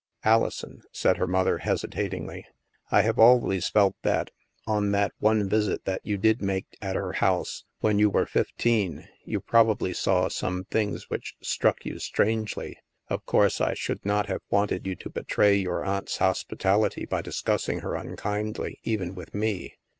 "Alison," said her mother hesitatingly, " I have always felt that, on that one visit that you did make at her house — when you were fifteen — you prob ably saw some things which struck you strangely. Of course, I should not have wanted you to betray your aunt's hospitality by discussing her unkindly, even with me.